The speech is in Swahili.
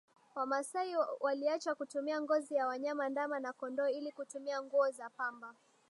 Wamasai waliacha kutumia ngozi ya wanyama ndama na kondoo ili kutumia nguo za pamba